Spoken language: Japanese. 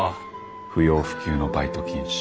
不要不急のバイト禁止。